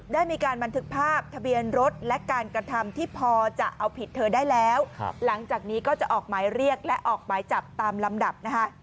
ได้มีการบันทึกภาพทะเบียนรถและการกระทำที่พอจะเอาผิดเธอได้แล้วหลังจากนี้ก็จะออกหมายเรียกและออกหมายจับตามลำดับนะคะ